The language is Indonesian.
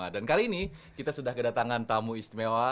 dan kali ini kita sudah kedatangan tamu istimewa